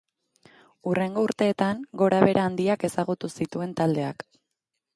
Hurrengo urteetan gorabehera handiak ezagutu zituen taldeak.